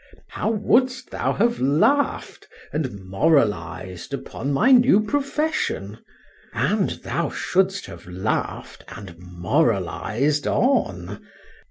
—How wouldst thou have laugh'd and moralized upon my new profession!—and thou shouldst have laugh'd and moralized on.